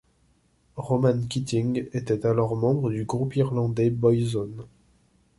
Ronan Keating était alors membre du groupe irlandais Boyzone.